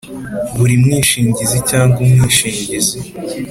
Buri mwishingizi cyangwa umwishingizi